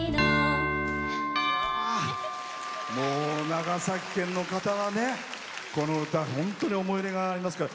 長崎県の方はこの歌、本当に思い入れがありますから。